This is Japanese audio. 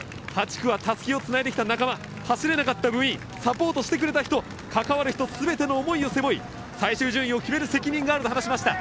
８区はたすきをつないできた仲間走れなかった部員サポートしてくれた人関わる人全ての思いを背負い最終順位を決める責任があると話しました。